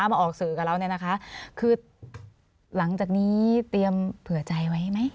มาออกสื่อกับเราเนี่ยนะคะคือหลังจากนี้เตรียมเผื่อใจไว้ไหม